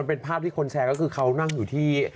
เป็นภาพที่คนแชร์ก็คือเขานั่งอยู่ที่